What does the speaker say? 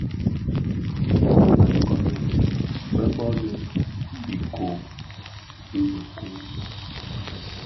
Bë nkoomèn bèn nbonèn iko bi mëku.